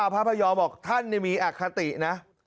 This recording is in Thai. พระพยอมบอกท่านมีอคตินะ